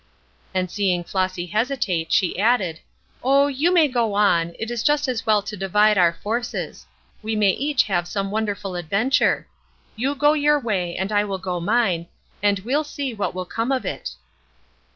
And seeing Flossy hesitate, she added: "Oh, you may go on, it is just as well to divide our forces; we may each have some wonderful adventure. You go your way and I will go mine, and we'll see what will come of it."